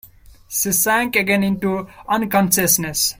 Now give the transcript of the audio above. She sank again into unconsciousness.